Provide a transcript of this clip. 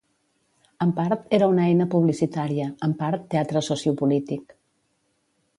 En part, era una eina publicitària, en part teatre sociopolític.